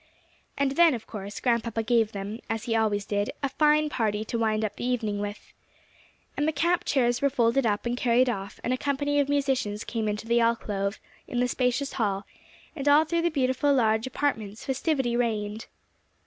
And then, of course, Grandpapa gave them, as he always did, a fine party to wind up the evening with. And the camp chairs were folded up and carried off, and a company of musicians came into the alcove in the spacious hall, and all through the beautiful, large apartments festivity reigned!